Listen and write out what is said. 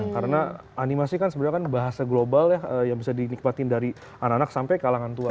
karena animasi kan sebenernya bahasa global ya yang bisa dinikmatin dari anak anak sampai anak anak